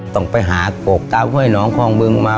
ต้องไปหาโกกตามข้อเงินเงินครองเมืองมา